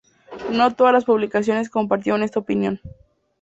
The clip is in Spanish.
No todas las publicaciones compartieron esta opinión.